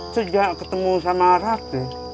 sejak ketemu sama raffi